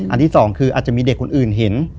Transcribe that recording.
ที่สองคืออาจจะมีเด็กคนอื่นเห็น